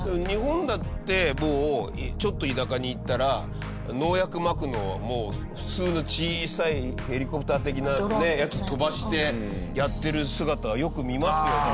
日本だってもうちょっと田舎に行ったら農薬まくのはもう普通の小さいヘリコプター的なやつ飛ばしてやってる姿はよく見ますよ。